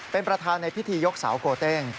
เป็นประธานในพิธียกเสาโกเต้ง